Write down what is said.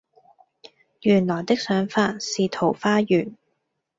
原來的想法是桃花源